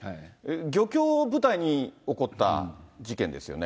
漁協を舞台に起こった事件ですよね。